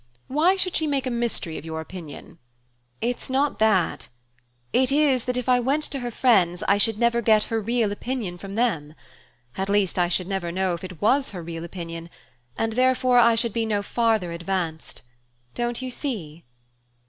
Why should she make a mystery of your opinion?" "It's not that; it is that, if I went to her friends, I should never get her real opinion from them. At least I should never know if it was her real opinion; and therefore I should be no farther advanced. Don't you see?"